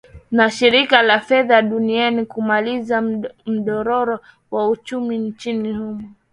na shirika la fedha duniani kumaliza mdororo wa uchumi nchini humo